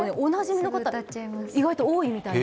意外と多いみたいで。